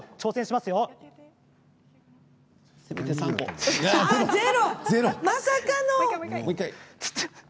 まさかの？